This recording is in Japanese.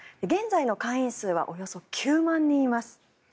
現在の会員数はおよそ９万人います。